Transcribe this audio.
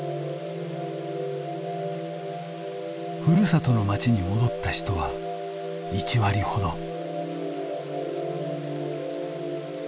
ふるさとの町に戻った人は１割ほど。